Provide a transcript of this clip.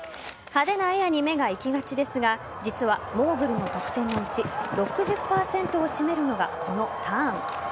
派手なエアに目がいきがちですが実はモーグルの得点のうち６０％を占めるのがこのターン。